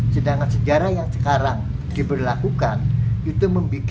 sedangkan sejarah yang sekarang diberlakukan itu